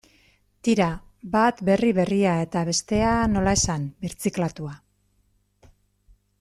Tira, bat berri berria eta bestea, nola esan, birziklatua.